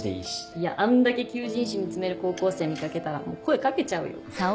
いやあんだけ求人誌見つめる高校生見かけたら声かけちゃうよ。